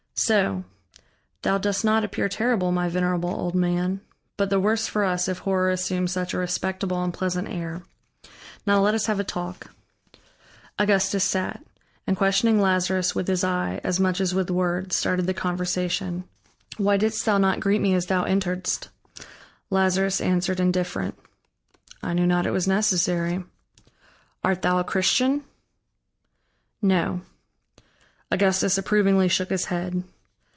"So. Thou dost not appear terrible, my venerable old man. But the worse for us, if horror assumes such a respectable and pleasant air. Now let us have a talk." Augustus sat, and questioning Lazarus with his eye as much as with words, started the conversation: "Why didst thou not greet me as thou enteredst?" Lazarus answered indifferent: "I knew not it was necessary." "Art thou a Christian?" "No." Augustus approvingly shook his head.